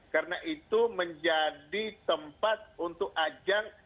karena itu menjadi tempat untuk ajang